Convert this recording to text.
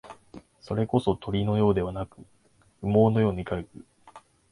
それこそ、鳥のようではなく、羽毛のように軽く、